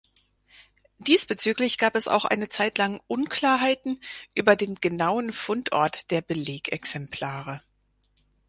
Diesbezüglich gab es auch eine Zeitlang Unklarheiten über den genauen Fundort der Belegexemplare.